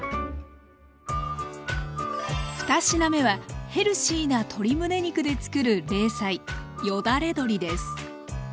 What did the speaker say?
２品目はヘルシーな鶏むね肉でつくる冷菜よだれ鶏です。